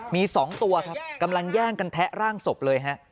มี๒ตัวครับกำลังแย่งกันแทะร่างศพเลยฮะ